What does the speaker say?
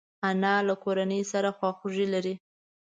انا له کورنۍ سره خواخوږي لري